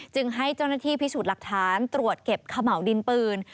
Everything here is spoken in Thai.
จึงให้เจ้าหน้าที่พิสูจน์หลักฐานตรวจเก็บขม่าวดินปืน